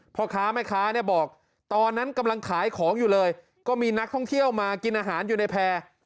พ่อค้าแม่ค้าเนี่ยบอกตอนนั้นกำลังขายของอยู่เลยก็มีนักท่องเที่ยวมากินอาหารอยู่ในแพร่